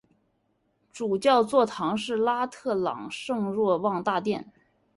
主教座堂是拉特朗圣若望大殿。